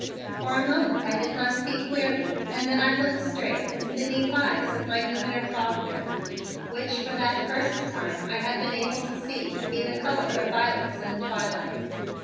For a moment I did not see clearly and then I looked straight into the deep eyes of my Gouverneur Faulkner. which for that first time I had been able to see to be the color of violets in the twilight.